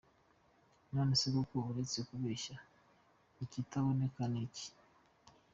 None se koko uretse kubeshya, ikitaboneka ni iki?!